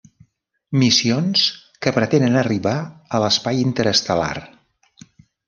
Missions que pretenen arribar a l'espai interestel·lar.